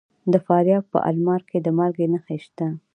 د فاریاب په المار کې د مالګې نښې شته.